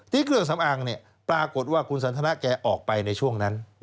เครื่องสำอางปรากฏว่าคุณสันทนาแกออกไปในช่วงนั้น